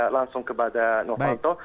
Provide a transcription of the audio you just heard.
langsung kepada nohanto